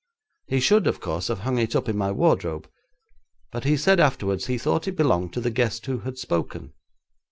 He should, of course, have hung it up in my wardrobe, but he said afterwards he thought it belonged to the guest who had spoken.